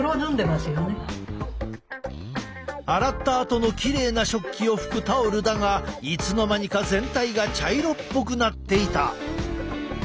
洗ったあとのきれいな食器を拭くタオルだがいつの間にか全体が茶色っぽくなっていた。